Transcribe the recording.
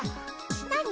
「何？